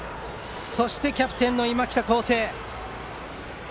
そして、キャプテンの今北孝晟。